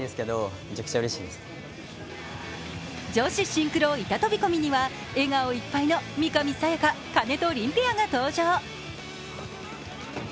女子シンクロ板飛び込みには、笑顔いっぱいの三上紗也可・金戸凜ペアが登場。